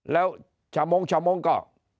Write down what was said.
แล้วชาวมงชาวมงค์ก็